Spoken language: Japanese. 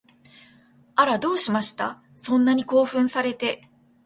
あら、どうしました？そんなに興奮されて